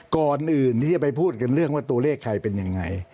ก่อนอื่นที่จะไปพูดกันเรื่องว่าตัวเลขใครเป็นยังไง